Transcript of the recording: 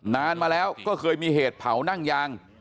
นานมาแล้วก็เคยมีเหตุเผานั่งยาง